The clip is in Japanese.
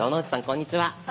こんにちは。